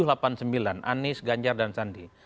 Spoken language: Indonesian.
anies ganjar dan sandi